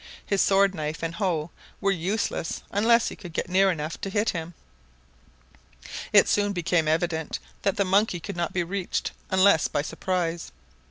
His sword knife and hoe were useless unless he could get near enough to hit him. It soon became evident that the monkey could not be reached unless by surprise.